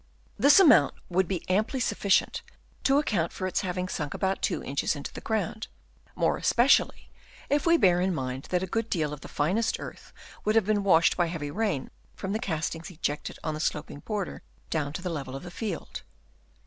This amount would be amply sufficient to account for its having sunk about 2 inches into the ground ; more especially if we bear in mind that a good deal of the finest earth would have been washed by heavy rain from the castings ejected on the sloping border down to the level of the field.